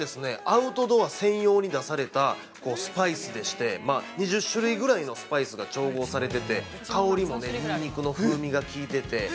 アウトドア専用に出されたスパイスでして２０種類ぐらいのスパイスが調合されてて香りもにんにくの風味が効いてて。